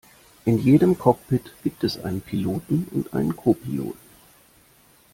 In jedem Cockpit gibt es einen Piloten und einen Co-Piloten